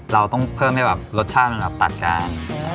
เราต้องเพิ่มให้รสชาติเน้นตัดการ